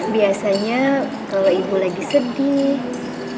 biasanya kalau ibu lagi sedih